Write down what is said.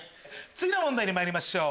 次の問題にまいりましょう！